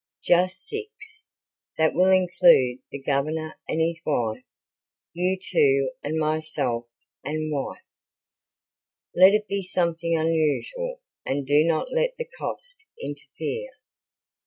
"Just six. That will include the Governor and his wife, you two and myself and wife. Let it be something unusual and do not let the cost interfere.